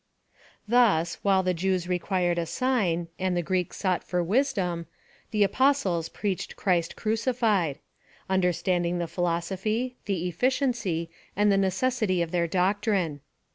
Thus, while the Jews required a sign, and the Greeks sought after wisdom, the Apostles preached Christ crucified ; understanding the philosophy, the efficiency, and the necessity of their doctrme.